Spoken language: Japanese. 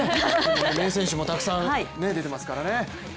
名選手もたくさん出ていますからね。